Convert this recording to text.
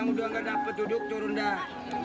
udah nggak dapat duduk turun dah